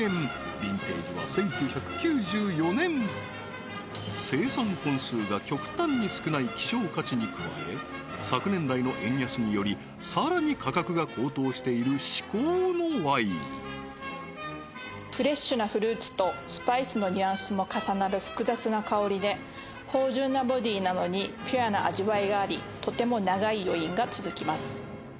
ビンテージは１９９４年生産本数が極端に少ない希少価値に加え昨年来の円安によりさらに価格が高騰している至高のワインフレッシュなフルーツとスパイスのニュアンスも重なる複雑な香りで芳じゅんなボディーなのにピュアな味わいがありとても長い余韻が続きます